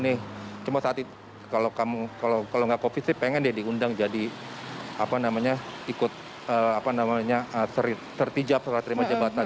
saya cuma saat itu kalau tidak kondisi pengen diundang jadi ikut sertijab setelah terima jabatan